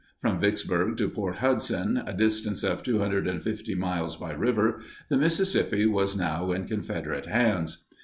From Vicksburg to Port Hudson, a distance of 250 miles by river, the Mississippi was now in Confederate hands.